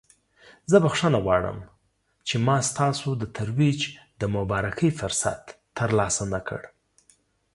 زه بخښنه غواړم چې ما ستاسو د ترویج د مبارکۍ فرصت ترلاسه نکړ.